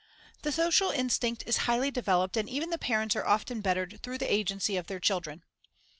The social instinct is highly developed and even the parents are often bettered through the agency of their children.